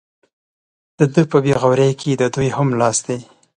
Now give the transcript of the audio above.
د ده په بې غورۍ کې د دوی هم لاس دی.